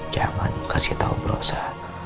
jangan kasih tau bu rosa